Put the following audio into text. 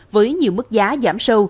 với nhiều mức giá giảm sâu